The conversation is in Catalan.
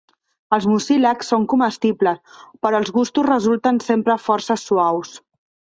Els mucílags són comestibles, però els gustos resulten sempre força suaus.